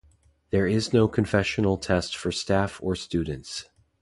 There is no confessional test for staff or students.